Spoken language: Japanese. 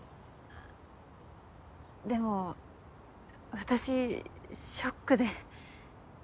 でも私ショックで。